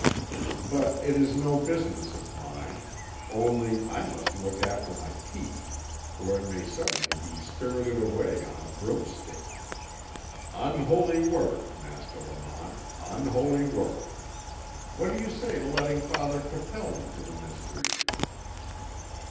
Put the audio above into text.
But it is no business of mine; only I must look after my peach, or it may suddenly be spirited away on a broomstick. Unholy work, Master Lamont, unholy work! What do you say to letting Father Capel into the mystery?"